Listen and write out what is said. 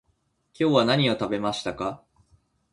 今日は何を食べましたか？